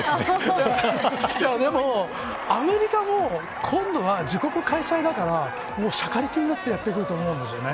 でも、アメリカも今度は自国開催だからしゃかりきになってやってくると思うんですよね。